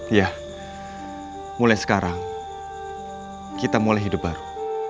iya mulai sekarang kita mulai hidup baru